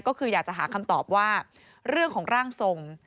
ก็คืออยากจะหาคำตอบว่าเรื่องของร่างทรง